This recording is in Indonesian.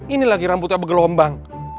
ini lagi rambutnya bergelombang